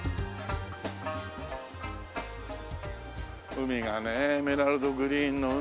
海がねエメラルドグリーンの海が。